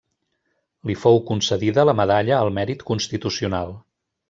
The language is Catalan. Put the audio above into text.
Li fou concedida la Medalla al Mèrit Constitucional.